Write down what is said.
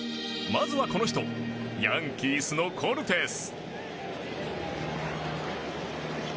まずはこの人ヤンキースのコルテス。